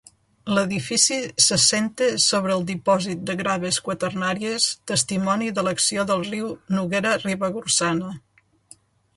L'edifici s'assenta sobre el dipòsit de graves quaternàries testimoni de l'acció del riu Noguera Ribagorçana.